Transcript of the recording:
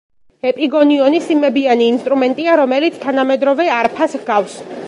ეპიგონიონი სიმებიანი ინსტრუმენტია, რომელიც თანამედროვე არფას ჰგავს.